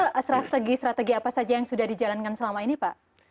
atau strategi strategi apa saja yang sudah dijalankan selama ini pak